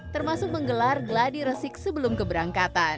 termasuk menggelar gladi resik sebelum keberangkatan